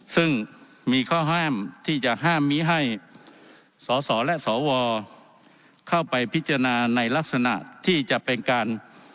ซึ่งมีข้อห้ามที่จะห้ามมิให้สสและสวเข้าไปพิจารณาในลักษณะที่จะเป็นการ